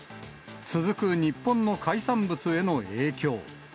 続く日本の海産物への影響。